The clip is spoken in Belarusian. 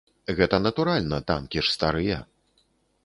Гэта натуральна, танкі ж старыя.